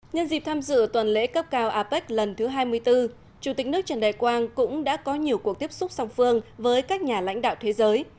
nhân dịp tham dự tuần lễ cấp cao apec lần thứ hai mươi bốn chủ tịch nước trần đại quang cũng đã có nhiều cuộc tiếp xúc song phương với các nhà lãnh đạo thế giới